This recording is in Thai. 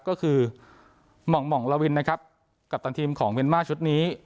ก็คือหม่องห่องลาวินนะครับกัปตันทีมของเมียนมาร์ชุดนี้